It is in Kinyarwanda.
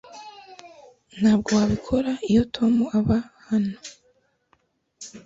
Ntabwo wabikora iyo Tom aba hano.